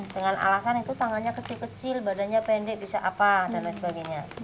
dengan alasan itu tangannya kecil kecil badannya pendek bisa apa dan lain sebagainya